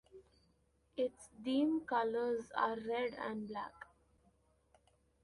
Its theme colours are red and black.